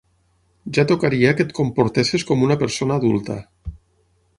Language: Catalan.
Ja tocaria que et comportessis com una persona adulta.